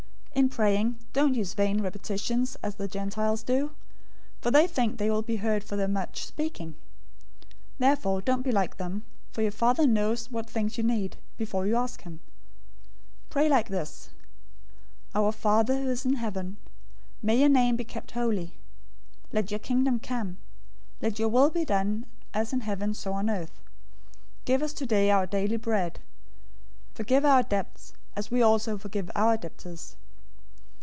006:007 In praying, don't use vain repetitions, as the Gentiles do; for they think that they will be heard for their much speaking. 006:008 Therefore don't be like them, for your Father knows what things you need, before you ask him. 006:009 Pray like this: 'Our Father in heaven, may your name be kept holy. 006:010 Let your Kingdom come. Let your will be done, as in heaven, so on earth. 006:011 Give us today our daily bread. 006:012 Forgive us our debts, as we also forgive our debtors.